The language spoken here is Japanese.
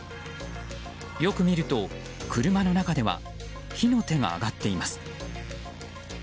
よく見ると、車の中では火の手が上がっています。